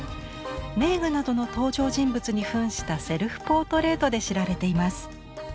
名画などの登場人物にふんしたセルフポートレートで知られています。